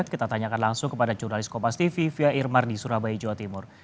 kita tanyakan langsung kepada jurnalis kompas tv fia irmar di surabaya jawa timur